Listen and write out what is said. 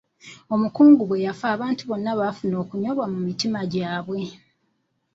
Omukungu bwe yafa abantu bonna baafuna okunyolwa mu mitima gyabwe.